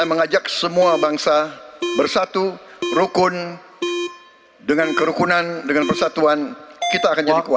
saya mengajak semua bangsa bersatu rukun dengan kerukunan dengan persatuan kita akan jadi kuat